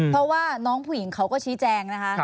เพราะว่าน้องผู้หญิงเขาก็ชี้แจงนะคะ